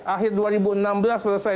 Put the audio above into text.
akhir dua ribu enam belas selesai